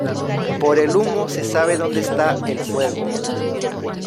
Por el humo se sabe donde está el fuego